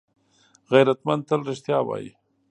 غیرتمند تل رښتیا وايي